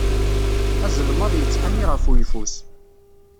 Azelmaḍ yettḥami ɣef uyeffus.